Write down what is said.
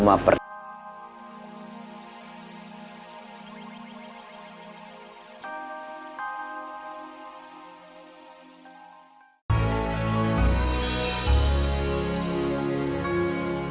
aku nyariin itu ke